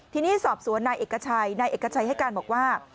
ทีนี้สอบสวนนายเอกชัยนายเอกชัยให้การบอกว่า